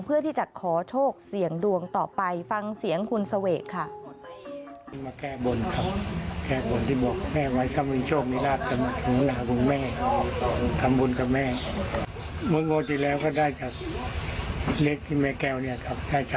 เพื่อที่จะขอโชคเสี่ยงดวงต่อไปฟังเสียงคุณเสวกค่ะ